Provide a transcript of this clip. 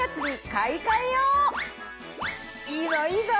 いいぞいいぞ！